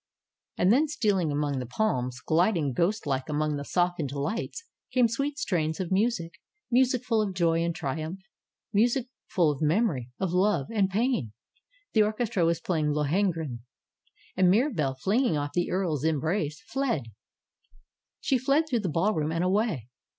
'^ And then stealing among the palms, gliding ghostlike among the softened lights, came sweet strains of music ; music full of Joy and triumph; music full of memory, of love, and pain. The orchestra was playing Lohengrin. And Mirabelle, flinging off the earl's embrace, fled. She fled through the ballroom and away.